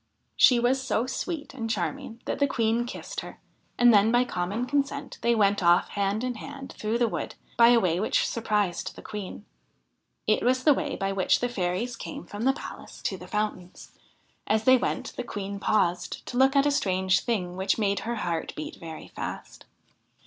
She was so sweet and charming that the Queen kissed her, and then by common consent they went off hand in hand through the wood by a way which surprised the Queen. It was the way by which the fairies came from the palace to the fountains. As they went the Queen paused to look at a strange thing which made her heart beat very fast.